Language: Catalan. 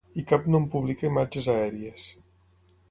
I cap no en publica imatges aèries.